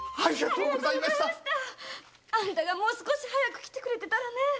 あんたがもう少し早く来てくれてたらねえ。